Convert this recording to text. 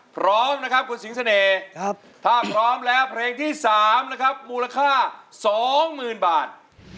พร้อมนะครับคุณสิงเสน่ห์ถ้าพร้อมแล้วเพลงที่๓นะครับมูลค่า๒๐๐๐บาท